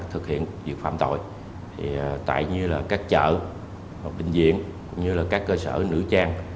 thực hiện việc phạm tội tại như là các chợ bệnh viện cũng như là các cơ sở nữ trang